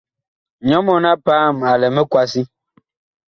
Nyɔ mɔɔn-a-paam a lɛ mikwasi.